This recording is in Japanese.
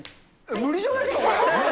無理じゃないですか？